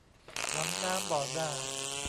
หวังน้ำบ่อหน้า